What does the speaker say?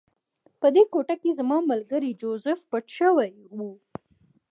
په دې کوټه کې زما ملګری جوزف پټ شوی و